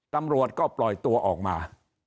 ตำรวจก็ปล่อยตัวออกมา